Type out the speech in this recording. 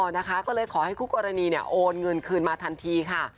นะคะก็เลยขอให้คู่กรณีเนี่ยโอนเงินคืนมาทันทีค่ะ